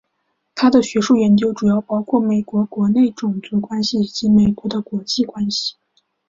他的学术研究主要包括美国国内种族关系以及美国的国际关系。